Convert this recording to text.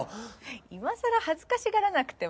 今さら恥ずかしがらなくても。